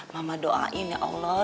mama doain ya allah